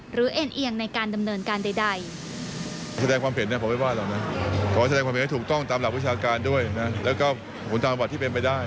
เอ็นเอียงในการดำเนินการใด